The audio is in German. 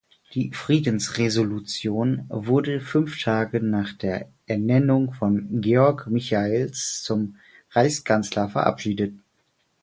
Die Friedensresolution wurde fünf Tage nach der Ernennung von Georg Michaelis zum Reichskanzler verabschiedet.